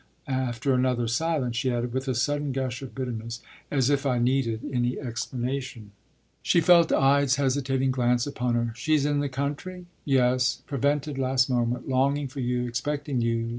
” After another silence she added, with a sudden gush of bitterness: “As if I needed any explanation!” She felt Ide’s hesitating glance upon her. “She’s in the country?” “Yes. ‘Prevented last moment. Longing for you, expecting you.